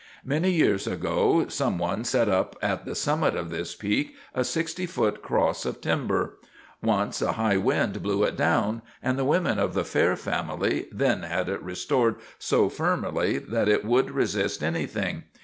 Many years ago some one set up at the summit of this peak a sixty foot cross of timber. Once a high wind blew it down, and the women of the Fair family then had it restored so firmly that it would resist anything.